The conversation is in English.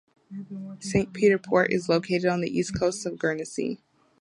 Saint Peter Port is located on the east coast of Guernsey.